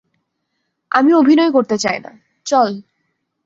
আমি অভিনয় করতে চাইনা, চল।